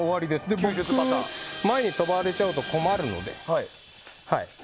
僕、前に飛ばされちゃうと困るので。